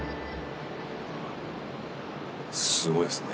すごいですね。